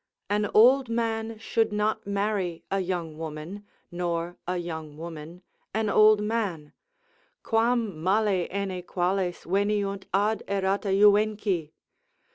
An old man should not marry a young woman, nor a young woman an old man, Quam male inaequales veniunt ad arata juvenci!